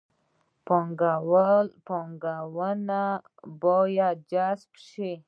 پانګونه باید جذب شي